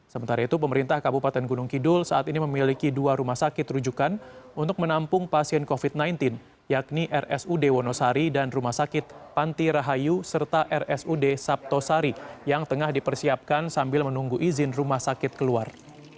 serta rsud sabto sari yang tengah dipersiapkan sambil menunggu izin rumah sakit keluar